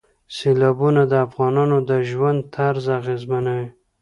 سیلابونه د افغانانو د ژوند طرز اغېزمنوي.